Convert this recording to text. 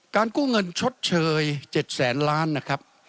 การกู้เงินชดเชย๗๐๐๐๐๐ล้านนะครับ